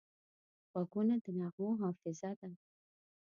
غوږونه د نغمو حافظه ده